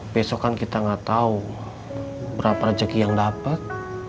besok kan kita nggak tahu berapa rezeki yang dapat